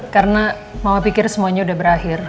karena mama pikir semuanya udah berakhir